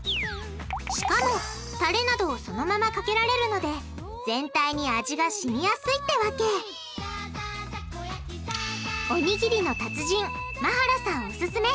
しかもタレなどをそのままかけられるので全体に味が染みやすいってわけおにぎりの達人馬原さんオススメ！